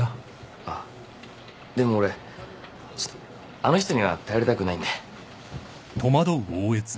あっでも俺ちょっとあの人には頼りたくないんで。